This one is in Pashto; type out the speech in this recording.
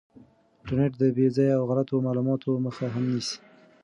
انټرنیټ د بې ځایه او غلطو معلوماتو مخه هم نیسي.